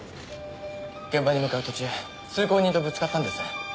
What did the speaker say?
現場に向かう途中通行人とぶつかったんです。